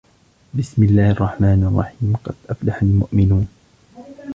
بسم الله الرحمن الرحيم قد أفلح المؤمنون